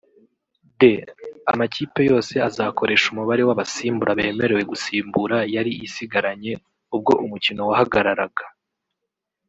D) Amakipe yose azakoresha umubare w’abasimbura bemerewe gusimbura yari isigaranye ubwo umukino wahagararaga